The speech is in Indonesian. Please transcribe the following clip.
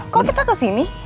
kok kita kesini